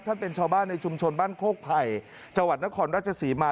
ท่านเป็นชาวบ้านในชุมชนบ้านโคกภัยจนครรัชสีมา